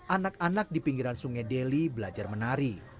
anak anak di pinggiran sungai deli belajar menari